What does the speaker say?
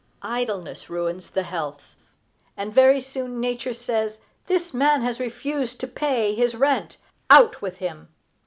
Idleness ruins the health; and very soon Nature says, "This man has refused to pay his rent; out with him!"